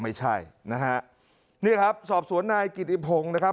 ไม่ใช่นะฮะนี่ครับสอบสวนนายกิติพงศ์นะครับ